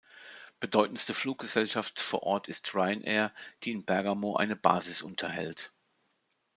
Bedeutendste Fluggesellschaft vor Ort ist Ryanair, die in Bergamo eine Basis unterhält.